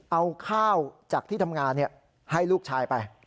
เอาข้าวจากที่ทำงานให้ลูกชายไป